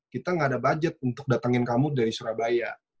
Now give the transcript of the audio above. kita enggak ada budget untuk datangin kamu dari surabaya